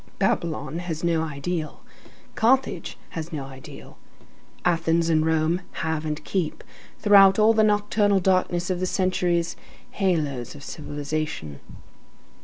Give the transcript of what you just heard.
Babylon has no ideal; Carthage has no ideal. Athens and Rome have and keep, throughout all the nocturnal darkness of the centuries, halos of civilization.